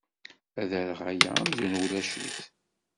Ad rreɣ aya amzun ulac-it.